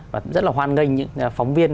và rất là hoan nghênh những phóng viên